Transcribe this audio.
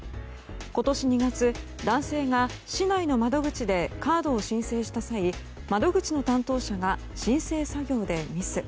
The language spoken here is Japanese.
今年２月、男性が市内の窓口でカードを申請した際窓口の担当者が申請作業でミス。